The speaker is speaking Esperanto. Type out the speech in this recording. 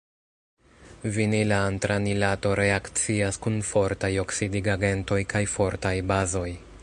Vinila antranilato reakcias kun fortaj oksidigagentoj kaj fortaj bazoj.